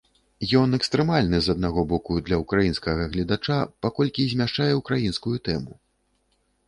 Ён экстрэмальны, з аднаго боку, для ўкраінскага гледача, паколькі змяшчае ўкраінскую тэму.